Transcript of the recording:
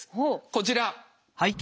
こちら。